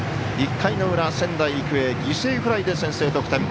１回の裏、仙台育英犠牲フライで先制得点。